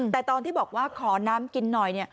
แต่ตอนที่บอกว่าขอน้ำกินหน่อย